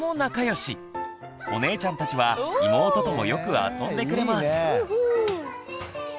お姉ちゃんたちは妹ともよく遊んでくれます。